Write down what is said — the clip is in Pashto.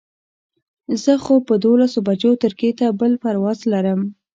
زه خو په دولس بجو ترکیې ته بل پرواز لرم.